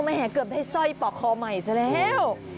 เกือบได้สร้อยปอกคอใหม่ซะแล้ว